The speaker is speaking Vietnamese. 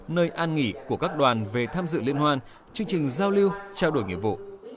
nơi an nghỉ của các đoàn về tham dự liên hoan chương trình giao lưu trao đổi nghiệp vụ